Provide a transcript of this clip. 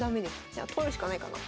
じゃあ取るしかないかな。